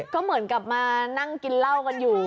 ก็เหมือนกลับมานั่งกินเหล้ากันอยู่